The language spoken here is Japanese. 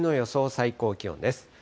最高気温です。